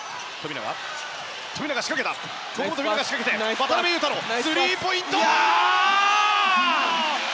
渡邊雄太のスリーポイント！